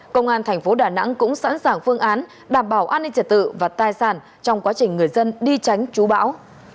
công an thành phố đà nẵng cũng sẵn sàng phương án đảm bảo an ninh trật tự và tài sản trong quá trình người dân đi tránh chú bão